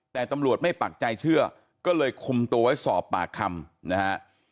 แต่ตำรวจไม่ปักใจเชื่อก็เลยคุมตัวไว้สอบปากคำนะฮะ